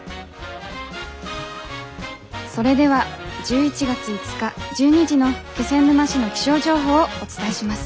それでは１１月５日１２時の気仙沼市の気象情報をお伝えします。